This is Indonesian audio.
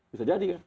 bisa jadi kan